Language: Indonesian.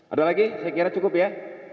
ada lagi saya kira cukup ya